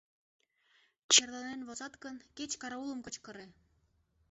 Черланен возат гын, кеч караулым кычкыре.